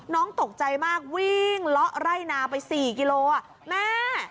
น้องตกใจมากวิ่งเลาะไร่นาไป๔กิโลแม่